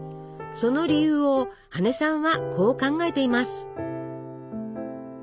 その理由を羽根さんはこう考えています。